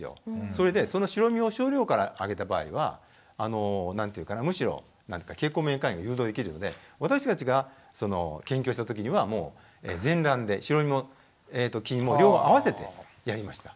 それでその白身を少量からあげた場合はあの何ていうかなむしろ経口免疫寛容が誘導できるので私たちが研究をした時にはもう全卵で白身も黄身も両方あわせてやりました。